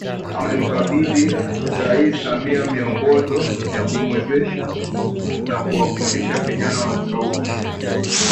Amemkabidhi Rais Samia Miongozo ya kuwawezesha na kuwafundisha vijana wa Skauti